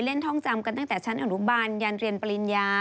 ท่องจำกันตั้งแต่ชั้นอนุบาลยันเรียนปริญญา